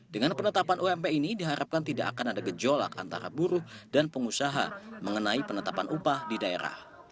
dengan penetapan ump ini diharapkan tidak akan ada gejolak antara buruh dan pengusaha mengenai penetapan upah di daerah